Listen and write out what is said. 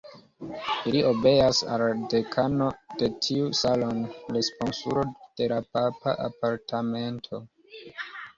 Ili obeas al la dekano de tiu salono, responsulo de la papa apartamento.